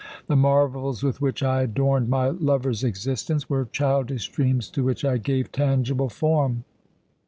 The marvels with which I adorned my lover's existence were childish dreams to which I gave tangible form.